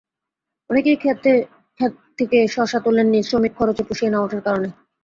অনেকেই খেত থেকে শসা তোলেননি শ্রমিক খরচে পুষিয়ে না ওঠার কারণে।